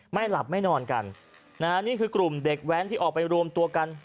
ไม่หลับไม่นอนกันนะฮะนี่คือกลุ่มเด็กแว้นที่ออกไปรวมตัวกัน